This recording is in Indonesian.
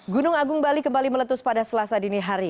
gunung agung bali kembali meletus pada selasa dini hari